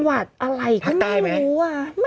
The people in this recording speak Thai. โอเคโอเคโอเค